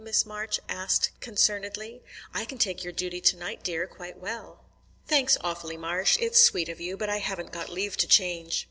Miss Marsh asked concernedly. "I can take your duty to night, dear, quite well." "Thanks awfully, Marsh; it's sweet of you, but I haven't got leave to change.